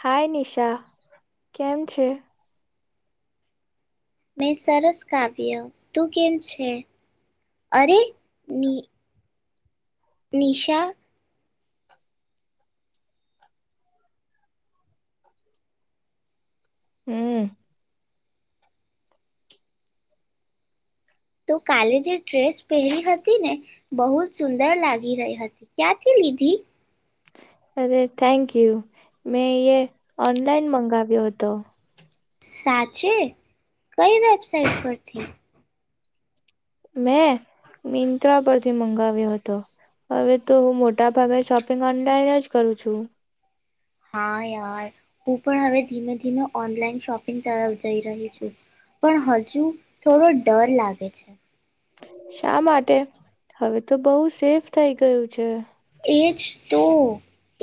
હાય નિશા કેમ છે. મેં સરસ કાવ્ય તું કેમ છે અરે ની નિશા હમ. તો કાલે જે ડ્રેસ પહેરી હતી ને બહુ જ સુંદર લાગી રહી હતી ક્યાંથી લીધી. અરે થેન્ક યુ મેં એ ઓનલાઈન મંગાવ્યો હતો. સાચે કઈ વેબસાઇટ પરથી? મેં મિંત્રા પરથી મંગાવ્યો હતો હવે તો હું મોટા ભાગે શોપિંગ ઓનલાઈન જ કરું છું. હા યાર હું પણ હવે ધીમે ધીમે ઓનલાઈન શોપિંગ તરફ જઈ રહી છું પણ હજુ થોડો ડર લાગે છે. શા માટે? હવે તો બોવ સેફ થઈ ગયું છે. એજ તો.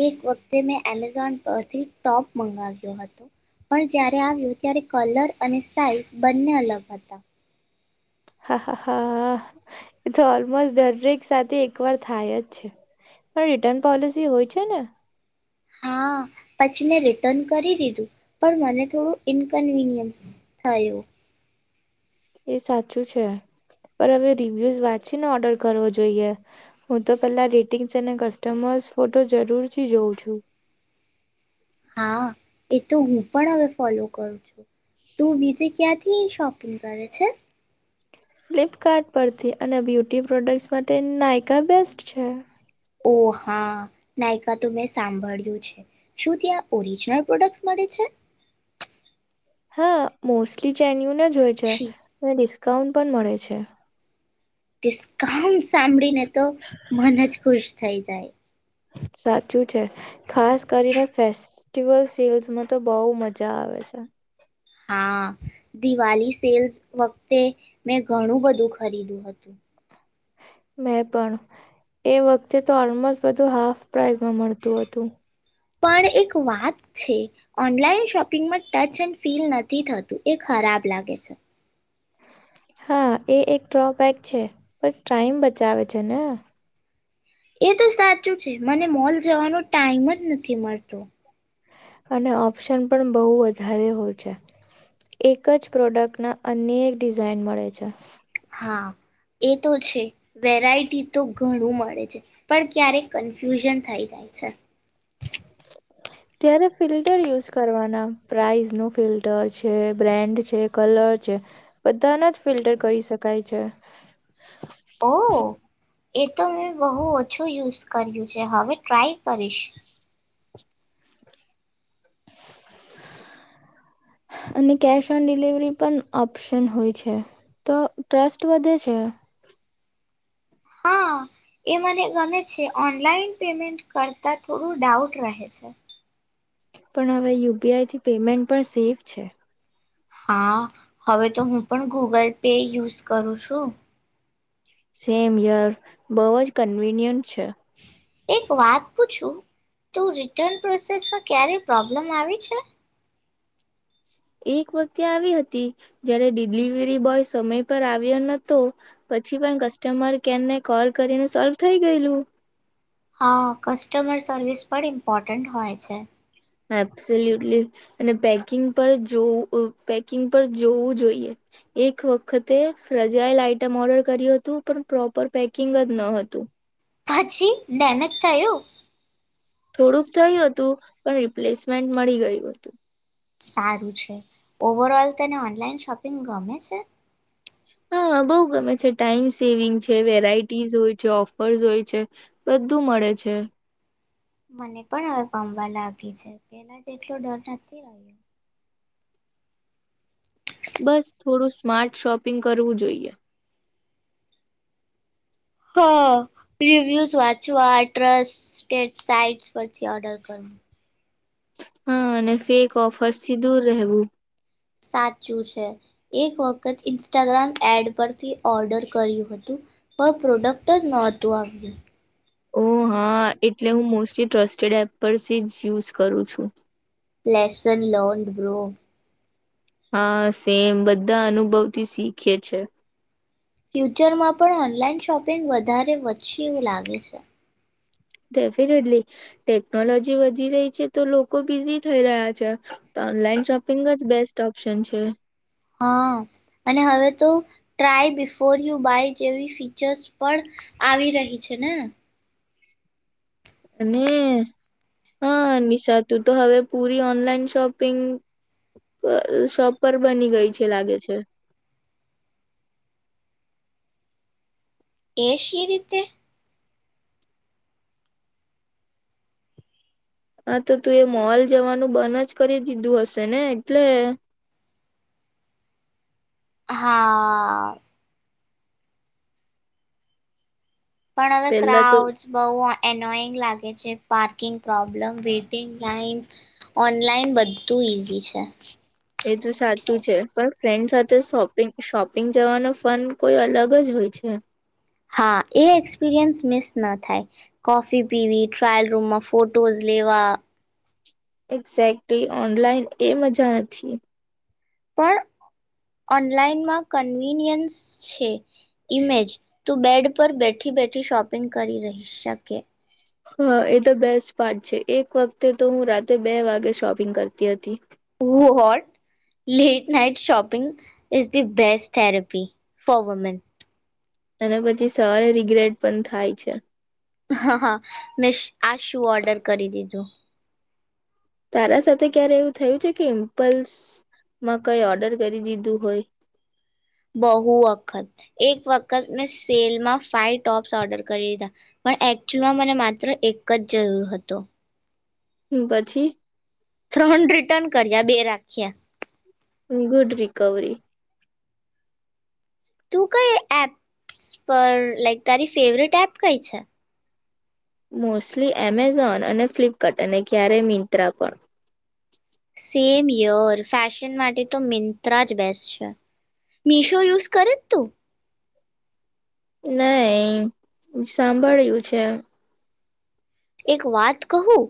એક વક્તે મેં એમેઝોન પરથી ટોપ મંગાવ્યો હતો. પણ જ્યારે આવ્યો ત્યારે કલર અને સાઈઝ બંને અલગ હતા. હા, હા, હા. એ તો ઓલમોસ્ટ દરેક સાથે એક વાર થાય જ છે. પણ રિટર્ન પોલિસી હોય છે ને. હા, પછી મેં રિટર્ન કરી દીધું. પણ મને થોડું ઇનકન્વીનિયન્સ થયુ. એ સાચું છે. પર હવે રિવ્યુઝ વાંચીને ઓર્ડર કરવો જોઈએ. હું તો પેલા રેટિંગ્સ અને કસ્ટમર્સ ફોટો જરૂરથી જોઉં છું. હા, એ તો હું પણ હવે ફોલો કરું છું. તુ બીજે ક્યાંથી શોપિંગ કરે છે? ફ્લિપકાર્ટ પરથી અને બ્યુટી પ્રોડક્ટ્સ માટે નાયકા બેસ્ટ છે. ઓ હા. નાયકા તો મેં સાંભળ્યું છે. શું ત્યાં ઓરિજનલ પ્રોડક્ટ્સ મળે છે? હા, મોસ્ટલી જેન્યુન જ હોય છે છી ને ડીસ્ કાઉન્ટ પણ મળે છે. ડિસ્કાઉન્ટ સાંભળીને તો મન જ ખુશ થઈ જાય. સાચું છે. ખાસ કરીને ફેસ્ટિવલ સેલ્સમાં તો બોવ મજા આવે છે. હા, દિવાલી સેલ્સ વક્તે મેં ઘણું બધું ખરીદુ હતું. મેં પણ. એ વક્તે તો ઓલમોસ્ટ બધું હાફ પ્રાઈઝમાં મળતું હતું. પણ એક વાત છે. ઓનલાઈન શોપિંગમાં ટચ એન્ડ ફીલ નથી થતું એ ખરાબ લાગે છે. હા, એ એક ડ્રોબેક છે. પણ ટાઈમ બચાવે છે ને. એ તો સાચું છે. મને મોલ જવાનો ટાઈમ જ નથી મળતો. અને ઓપ્શન પણ બોવ વધારે હોય છે. એક જ પ્રોડક્ટના અનેક ડિઝાઇન મળે છે. હા, એ તો છે. વેરાયટી તો ઘણું મ [unintelligible] છે પણ ક્યારેક કન્ફ્યુઝન થઈ જાય છે. ત્યારે ફિલ્ટર યુઝ કરવાના પ્રાઇઝ નું ફિલ્ટર છે બ્રેન્ડ છે કલર છે બધાના જ ફિલ્ટર કરી શકાય છે. ઓ. એ તો મેં બહુ ઓછું યુઝ કર્યું છે હવે ટ્રાય કરીશ. અને કેશ ઓન ડિલિવરી પણ ઓપ્શન હોય છે તો ટ્રસ્ટ વધે છે હા એ મને ગમે છે ઓનલાઈન પેમેન્ટ કરતા થોડું ડાઉટ રહે છે પણ હવે યુપીઆઈથી પેમેન્ટ પણ સેફ છે હા હવે તો હું પણ ગૂગલ પે યુઝ કરું છું સેમ યાર બહુ જ કન્વીિનિયન્ટ અ્ છેા એક વાત પૂછું તું રિટર્ન પ્રોસેસમાં ક્યારે પ્રોબ્લેમ આવી છે એક વખતે આવી હતી જયારે ડિલિવરી બોય સમય પર આવ્યો નતો પછી પણ કસ્ટમર કેરને કોલ કરીને સોલ્વ થઈ ગયેલું હા કસ્ટમર સર્વિસ પણ ઇમ્પોર્ટન્ટ હોય છે એબ્સલ્યુટલી અને પેકિંગ પર જોવું પેકિંગ પર જોવું જોઈએ એક વખતે ફ્રજાયલ આઈટમ ઓર્ડર કર્યું હતું પણ પ્રોપર પેકિંગ જ ન હતું પછી ડમેજ થું થોડુંક થયું હતું પણ રિપ્લેસમેન્ટ મળી ગયું હતું સારું છે ઓવર ઓલ તને ઓનલાઈન શોપિંગ ગમે છે હા બહુ ગમે છે ટાઈમ સેવિંગ છે વેરાઈટીસ હોય છે ઓફર્સ હોય છે બધું મળે છે મને પણ હવે કમવા લાગી છે પેલા જ એટલો ડર નથી રહ્યો બસ થોડું સ્માર્ટ શોપિંગ કરવું જોઈએ હા રિવ્યુઝ વાંચવા ટ્રસ્ટ સાઇટ પરથી ઓર્ડર કરવ હા અને ફેક ઓફર થી દૂર રહેવું સાચું છે એક વખત ઇન્સ્ટાગ્રામ એડ પરથી ઓર્ડર કર્યું હતું પણ પ્રોડક્ટ નહોતું આવ્યું ઓ હા એટલે હું મોસ્ટલી ટ્રસ્ટેડ એપ પર જ યુઝ કરું છું પસન લોન્ડ બ્રો હા સેમ બધા અનુભવથી શીખે છે ફ્યુચરમાં પણ ઓનલાઈન શોપિંગ વધારે વધશે એવું લાગે છે ડેફિનેટલી ટેકનોલોજી વધી રહી છે તો લોકો બિઝી થઈ રહ્યા છે તો ઓનલાઈન શોપિંગ જ બેસ્ટ ઓપ્શન છે હા અને હવે તો ટ્રાય બિફોર યુ બાય જેવી ફીચર્સ પણ આવી રહી છે ને અને હા નિશાતું તો હવે પૂરી ઓનલાઈન શોપિંગ શોપ પર બની ગઈ છે લાગે છે એશિયા રીતે હા તો તું એ મોલ જવાનું બંધ જ કરી દીધું હશે ને એટલે હા પણ હવે પેલા તો ક્રાઉ બહુ એનોઈંગ લાગે છે parking problem waiting line online બધું ઈઝી છે એ તો સાચું છે પણ ફ્રેન્ડ સાથે શોપિંગ શોપિંગ જવાનો ફન કોઈ અલગ જ હોય છે હા એ એક્સપિરિયન્સ મિસ ન થાય કોફી પીવી ટ્રાયલ રૂમમાં ફોટોઝ લેવા એક્ઝેક્ટલી ઓનલાઈન એ મજા નથી પણ ઓનલાઈનમાં કન્વીિનિયન્સ છે ઇમેજ તું બેડ ઉપર બેઠી બેઠી શોપિંગ કરી રહી શકે હા એ તો બેસ્ટ પાર્ટ છે એક વખતે તો હું રાતે બે વાગે શોપિંગ કરતી હતી હ what late night shopping is the bestest therapy for women અને પછી સરે રિગ્રેટ પણ થાય છે હા હા મેં આ શુ ઓર્ડર કરી દીધું તારા સાથે ક્યારે એવું થયું છે કે ઇમ્પલ્સ માં કઈ ઓર્ડર કરી દીધું હોય બહુ વખત એક વખત મેં સેલમાં ફાઈવ ટોપ્સ ઓર્ડર કરી દીધા પણ એકચુલમાં મને માત્ર એક જ જરૂર હતો હમ પછી ત્રણ રિટર્ન કરયા બે રાખીયા. Good recovery. તું કઈ એપ્સ પર લાઈક તારી ફેવરેટ એપ કઈ છે? મોસ્ટલી એમેઝોન અને ફ્લિપકાર્ટ અને ક્યારેય મિંત્રા પણ. સેમ યોર ફેશન માટે તો મિંત્રા જ બેસ્ટ છે મીશો યુઝ કરે છ તું? નઈ સાંભળ્યું છે. એક વાત કહું?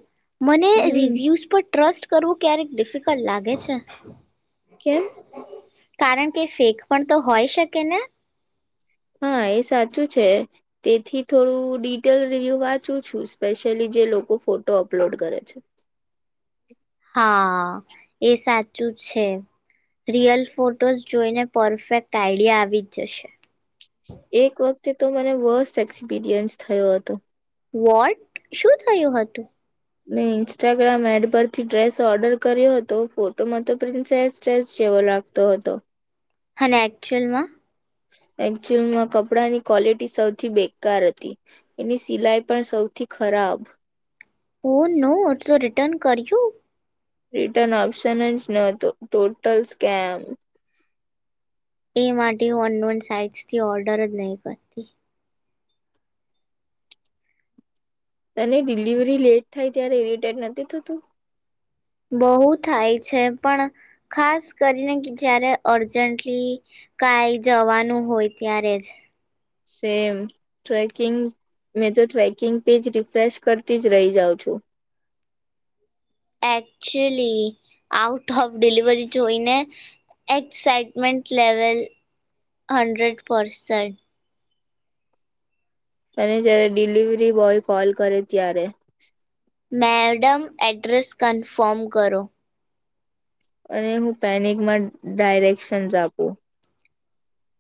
મને હમ રીવ્યૂઝ પર ટ્રસ્ટ કરવું ક્યારેક ડિફિકલ્ટ લાગે છે. કેમ? કારણ કે ફેક પણ તો હોય શકે ને? હા એ સાચું છે તેથી થોડું ડિટેલ રિવ્યુ વાંચું છું સ્પેશિયલી જે લોકો ફોટો અપલોડ કરે છે. હા એ સાચું છે રિયલ ફોટોઝ જોઈને પરફેક્ટ આઈડિયા આવી જ જશે. તે તો મને વર્સ્ટ એક્સપિરિયન્સ થયો હતો. વોટ? શું થયું હતું? મેં ઇન્સ્ટાગ્રામ એડ પરથી ડ્રેસ ઓર્ડર કર્યો હતો ફોટોમાં તો પ્રિન્સેસ ડ્રેસ જેવો લાગતો હતો. અને એકચુઅલમાં? એક્ચયુઅલમાં કપડાંની ક્વોલિટી સૌથી બેકાર હતી એની સિલાઈ પણ સૌથી ખરાબ. ઓહ નો! તો રિટર્ન કર્યું? રિટર્ન ઓપ્શન જ નહોતો ટોટલ સ્કેમ. એ માટે હું અનનોન સાઇટ્સથી ઓર્ડર જ નઈ કરતી. તને ડિલિવરી લેટ થાય ત્યારે ઇરીટેટ નથી થતું? બહુ થાય છે પણ ખાસ કરીને જ્યારે અર્જન્ટલી કાઈ જવાનું હોય ત્યારે જ. સેમ, ટ્રેકિંગ મેં તો ટ્રેકિંગ પેજ રિફ્રેશ કરતી જ રહી જાઉં છું. એકચુલી આઉટ ઓફ ડિલિવરી જોઈને એક્સાઈટમેન્ટ લેવલ હન્ડ્રેડ પરસેન્ટ. અને જયારે ડિલિવરી બોય કોલ કરે ત્યારે મેડમ એડ્રેસ કન્ફર્મ કરો. અને હું પેનિકમાં ડાયરેકશનસ આપું.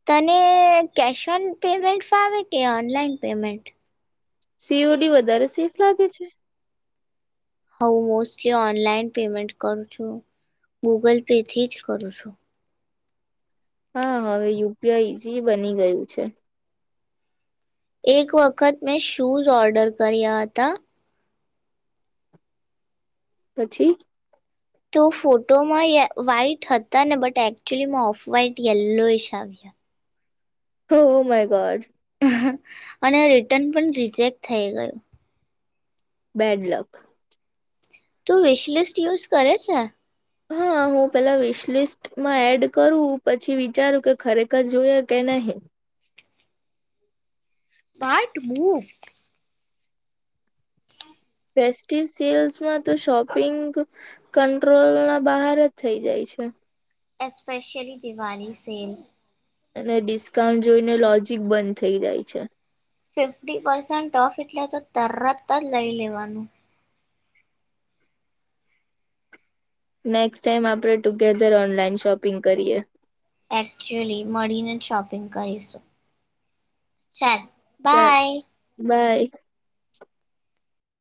તને કેશ ઓન પેમેન્ટ ફાવે કે online payment? C O D વધારે સેફ લાગે છે. હવ મોસ્ટલી ઓનલાઈન પેમેન્ટ કરું છું ગૂગલ પેથી જ કરું છું. હા હવે યુ પી આઈ ઇઝી બની ગયું છે. એક વખત મેં શૂઝ ઓર્ડર કર્યા હતા પછી? તો ફોટોમાં વ્હાઈટ હતા ને but actually off white yellowish આવ્યા. હો ઓહ માય ગોડ! અને આ રિટર્ન પણ રિજેક્ટ થઈ ગયું. Bad luck. તું વિશલિસ્ટ યુઝ કરે છે? હા હું પેલા વિશલિસ્ટમાં એડ કરું પછી વિચારું કે ખરેખર જોઈએ કે નહીં. પાર્ટ મૂવ ફેસ્ટિવ સેલ્સમાં તો શોપિંગ કંટ્રોલના બહાર જ થઇ જાય છે. Especially Diwali sale. અને ડિસ્કાઉન્ટ જોઈને લોજિક બંધ થઈ જાય છે. ફિફ્ટી પર્સન્ટ ઓફ એટલે તો તરત જ લઈ લેવાનું. નેક્સ્ટ ટાઈમ આપણે ટુગેધર ઓનલાઈન શોપિંગ કરીએ. એકચુલી મળીને જ શોપિંગ કરીશું, ચાલ. ચાલ, બાય બાય.